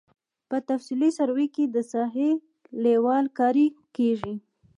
په تفصیلي سروې کې د ساحې لیول کاري کیږي